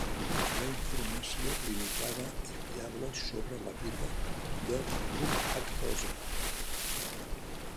Hi ha informació limitada i fiable sobre la vida de Buddhaghosa.